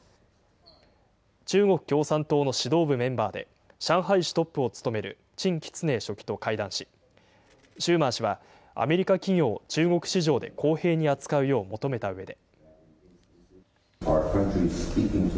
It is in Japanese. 中国共産党の指導部メンバーで、上海市トップを務める陳吉寧書記と会談し、シューマー氏はアメリカ企業を中国市場で公平に扱うよう求めたうえで。